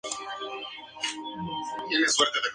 El Imperio romano está llegando a su fin.